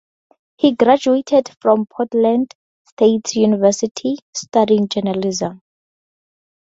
He graduated from Portland State University, studying journalism.